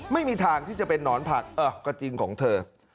ไม่มีทางที่จะเป็นนอนผักก็จริงของเธอ